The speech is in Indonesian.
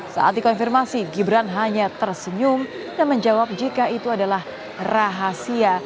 saat dikonfirmasi gibran hanya tersenyum dan menjawab jika itu adalah rahasia